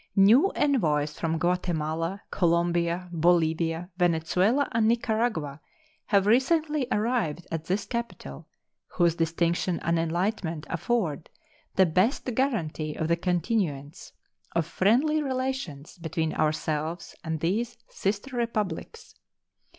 New envoys from Guatemala, Colombia, Bolivia, Venezuela, and Nicaragua have recently arrived at this capital, whose distinction and enlightenment afford the best guaranty of the continuance of friendly relations between ourselves and these sister Republics.